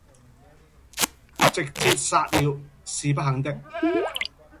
直捷殺了，是不肯的，